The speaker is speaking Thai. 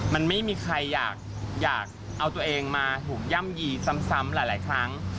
มันไม่มีใครอยากเอาตัวเองมาถูกย่ำยีซ้ำหลายครั้ง